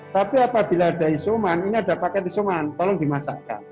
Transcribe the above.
tapi apabila ada isoman ini ada paket isoman tolong dimasakkan